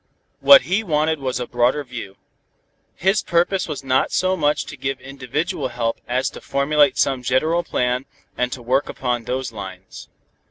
What he wanted was a broader view. His purpose was not so much to give individual help as to formulate some general plan and to work upon those lines.